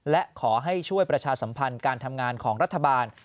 และขอให้ช่วยประชาสัมพันธ์การทำงานของรัฐบาล